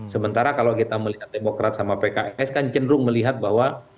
sementara kalau kita melihat demokrat sama pks kan cenderung melihat bahwa